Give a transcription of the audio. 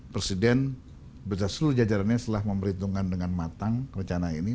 presiden seluruh jajarannya setelah memberhitungkan dengan matang rencana ini